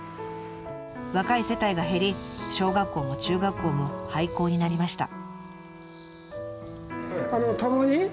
若い世帯が減り小学校も中学校も廃校になりました。